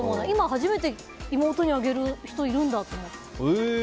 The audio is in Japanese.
今、初めて妹にあげる人いるんだって思った。